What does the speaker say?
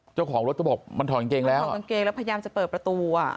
เจ้าของรถก็บอกมันถอดกางเกงแล้วถอดกางเกงแล้วพยายามจะเปิดประตูอ่ะ